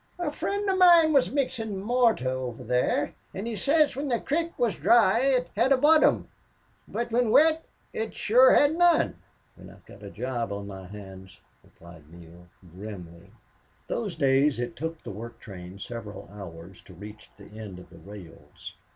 A fri'nd of mine was muxin' mortor over there. An' he sez whin the crick was dry ut hed a bottom, but whin wet ut shure hed none." "Then I have got a job on my hands," replied Neale, grimly. Those days it took the work train several hours to reach the end of the rails.